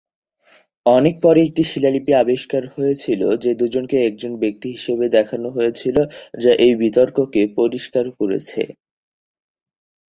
অনেক পরে একটি শিলালিপি আবিষ্কার হয়েছিল যে দুজনকে একজন ব্যক্তি হিসাবে দেখানো হয়েছিল, যা এই বিতর্ককে পরিষ্কার করেছে।